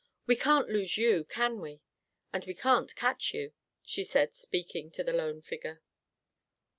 We can't lose you, can we? And we can't catch you," she said, speaking to the lone figure.